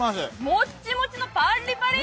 もっちもちのパッリパリ。